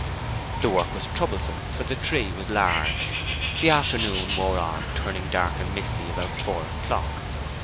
The work was troublesome, for the tree was large. The afternoon wore on, turning dark and misty about four o'clock.